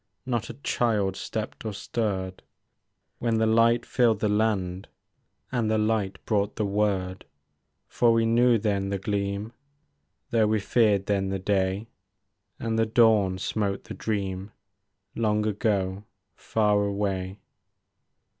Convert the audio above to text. Not a child stepped or stirred — Where the light filled the land I70 TWIUGHT SONG And the light brought the word ; For we knew then the gleam Though we feared then the day. And the dawn smote the dream Long ago, far away.